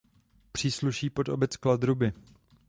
Přísluší pod obec Kladruby.